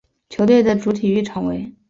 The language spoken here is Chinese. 球队的主体育场为。